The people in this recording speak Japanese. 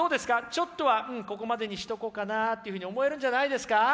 ちょっとはここまでにしとこうかなっていうふうに思えるんじゃないですか？